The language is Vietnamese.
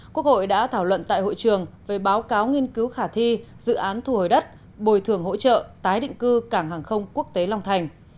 quốc hội đã thảo luận tại hội trường về báo cáo nghiên cứu khả thi dự án thu hồi đất bồi thường hỗ trợ tái định cư cảng hàng không quốc tế long thành